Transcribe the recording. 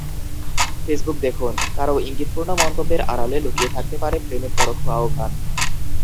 Facebook দেখুন—কারও ইঙ্গিতপূর্ণ মন্তব্যের আড়ালে লুকিয়ে থাকতে পারে প্রেমের পরোক্ষ আহ্বান।